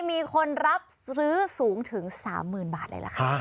มีคนรับซื้อสูงถึง๓๐๐๐บาทเลยล่ะค่ะ